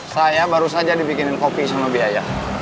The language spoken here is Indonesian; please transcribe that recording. saya baru saja dibikinin kopi sama biaya